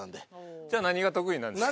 じゃあ何が得意なんですか？